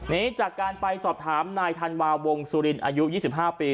นี้จากการไปสอบถามนายธันวาวงสุรินอายุ๒๕ปี